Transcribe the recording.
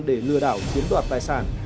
để lừa đảo chiến đoạt tài sản